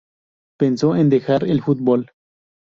Pensó en dejar el fútbol.